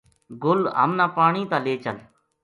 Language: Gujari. گل ہمناں پانی تا لے چل